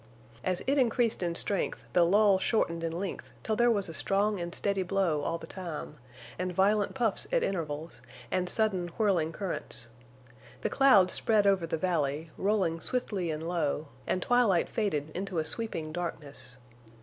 As it increased in strength the lulls shortened in length till there was a strong and steady blow all the time, and violent puffs at intervals, and sudden whirling currents. The clouds spread over the valley, rolling swiftly and low, and twilight faded into a sweeping darkness.